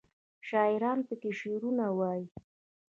شاعران پکې شعرونه وايي.